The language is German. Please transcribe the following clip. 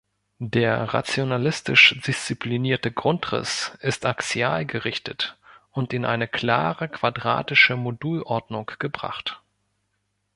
Der rationalistisch disziplinierte Grundriss ist axial gerichtet und in eine klare quadratische Modul-Ordnung gebracht.